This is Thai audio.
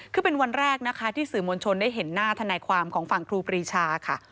คือเป็นวันแรกนะคะที่สื่อมวลชนได้เห็นหน้าทนายความของฝั่งครูปรีชาค่ะ